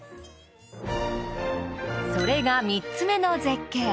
それが３つめの絶景。